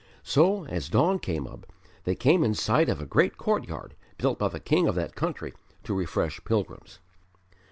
So, as dawn came up, they came in sight of a great courtyard built by the king of that country to refresh pilgrims.